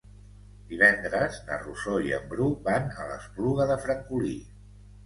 Divendres na Rosó i en Bru van a l'Espluga de Francolí.